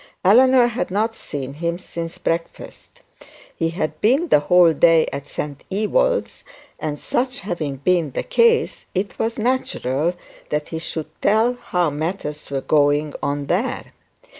Eleanor had not seen him since breakfast. He had been the whole day at St Ewold's, and such having been the case it was natural that he should tell how matters were going on there.